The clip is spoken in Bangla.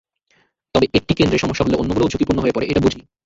তবে একটি কেন্দ্রে সমস্যা হলে অন্যগুলোও ঝুঁকিপূর্ণ হয়ে পড়ে, এটা বুঝি।